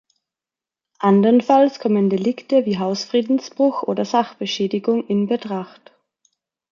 Andernfalls kommen Delikte wie Hausfriedensbruch oder Sachbeschädigung in Betracht.